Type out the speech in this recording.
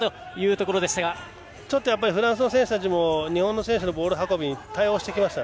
フランスの選手も日本の選手たちのボール運びに対応してきました。